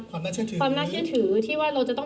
เธออยากให้ชี้แจ่งความจริง